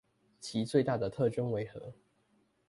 其最大的特徵為何？